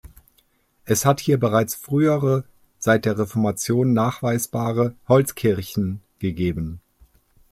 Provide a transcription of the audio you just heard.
Es hat hier bereits frühere seit der Reformation nachweisbare Holzkirchen gegeben.